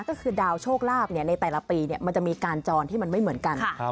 ก็คือดาวโชคลาภในแต่ละปีมันจะมีการจรที่มันไม่เหมือนกัน